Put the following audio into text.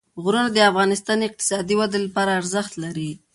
غرونه د افغانستان د اقتصادي ودې لپاره ارزښت لري.